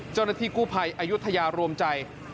เจ้าหน้าที่กู้ภัยอายุทยารวมใจ